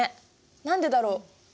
何でだろう。